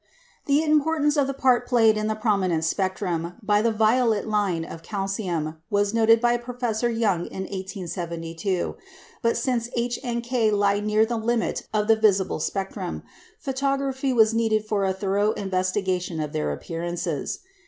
The importance of the part played in the prominence spectrum by the violet line of calcium was noticed by Professor Young in 1872, but since H and K lie near the limit of the visible spectrum, photography was needed for a thorough investigation of their appearances.